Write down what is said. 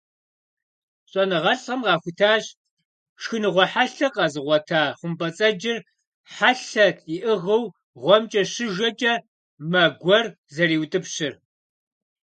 ЩӀэныгъэлӀхэм къахутащ шхыныгъуэ хьэлъэ къэзыгъуэта хъумпӀэцӀэджыр хьэлъэ иӀыгъыу гъуэмкӀэ щыжэкӀэ, мэ гуэр зэриутӀыпщыр.